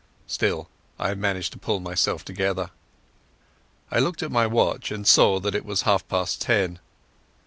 Still I managed to pull myself together. I looked at my watch, and saw that it was half past ten.